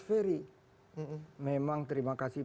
ferry memang terima kasih